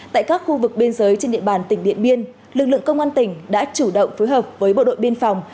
tại các khu vực biên giới trên địa bàn tỉnh điện biên lực lượng công an tỉnh đã chủ động phối hợp với bộ đội biên phòng